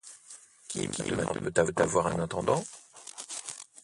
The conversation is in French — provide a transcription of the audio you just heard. Qui maintenant peut avoir un intendant ?